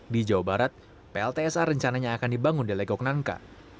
di jawa barat pltsa rencananya akan dibangun di lekoknangka